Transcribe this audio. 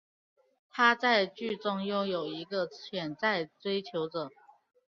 她在剧中拥有一个潜在追求者。